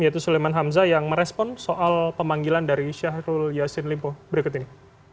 yaitu suleman hamzah yang merespon soal pemanggilan dari syahrul yassin limpo berikut ini